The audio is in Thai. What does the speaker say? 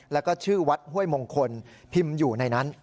แล้วก็ชื่อวัดห้วยมงคลพิมพ์อยู่ในนั้น